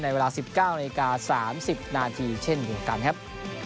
ในเวลา๑๙นาที๓๐นาทีเช่นเหมือนกันครับ